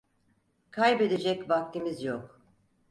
Kaybedecek vaktimiz yok.